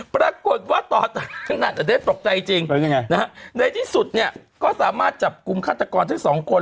ปรากฏว่าต่อขนาดจะได้ตกใจจริงในที่สุดเนี่ยก็สามารถจับกลุ่มฆาตกรทั้งสองคน